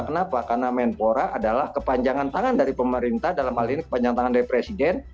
kenapa karena menpora adalah kepanjangan tangan dari pemerintah dalam hal ini kepanjangan tangan dari presiden